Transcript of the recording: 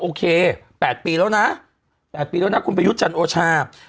โอเค๘ปีแล้วนะ๘ปีแล้วนะคุณประยุทธ์จันทร์โอชา